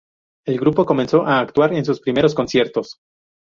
El grupo comenzó a actuar en sus primeros conciertos.